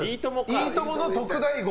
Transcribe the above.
「いいとも！」の特大号。